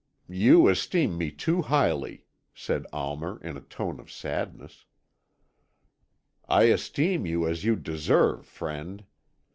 "You esteem me too highly," said Almer, in a tone of sadness. "I esteem you as you deserve, friend.